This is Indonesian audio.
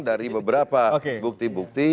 dari beberapa bukti bukti